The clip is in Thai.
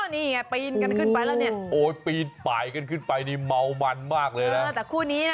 นี่ตรงนี้ไงปีนกันขึ้นไปแล้วเนี่ย